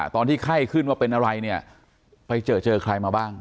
ตอนที่ไข้ขึ้นว่าเป็นอะไรไปเจอใครมาบ้าง